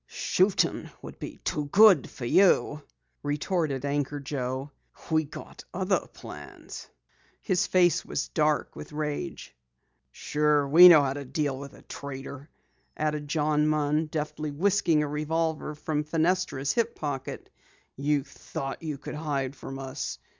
"Shootin' would be too good for you," retorted Anchor Joe. "We got other plans." His face was dark with rage. "Sure, we know how to deal with a traitor," added John Munn, deftly whisking a revolver from Fenestra's hip pocket. "You thought you could hide from us.